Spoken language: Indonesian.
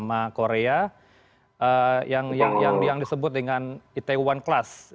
yang dijadikan syuting ya drama korea yang disebut dengan itaewon class